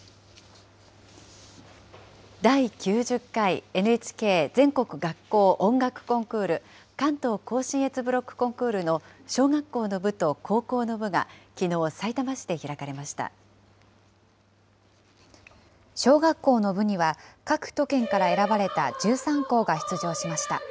第９０回ＮＨＫ全国学校音楽コンクール関東甲信越ブロックコンクールの小学校の部と高校の部がきのう、さいたま市で開かれま小学校の部には、各都県から選ばれた１３校が出場しました。